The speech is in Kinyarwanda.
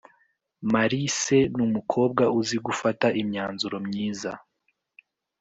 Marise numukobwa uzi gufata imyanzuro myiza